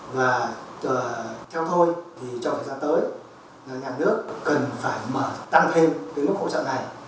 và theo tôi thì trong thời gian tới nhà nước cần phải mở tăng thêm cái mức hỗ trợ này